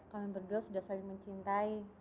kami berdua sudah saling mencintai